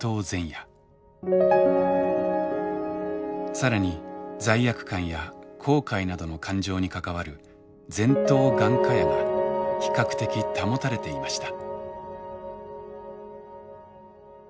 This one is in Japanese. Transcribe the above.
更に罪悪感や後悔などの感情に関わる前頭眼窩野が比較的保たれていました。